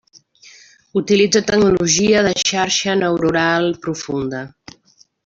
Utilitza tecnologia de xarxa neuronal profunda.